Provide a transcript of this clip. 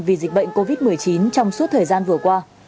vì dịch bệnh covid một mươi chín trong suốt thời gian vừa qua